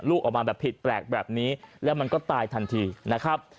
ลูกออกมาแบบผิดแปลกแบบนี้แล้วมันก็ตายทันทีนะครับ